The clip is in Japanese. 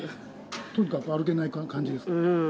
とにかく歩けない感じですか。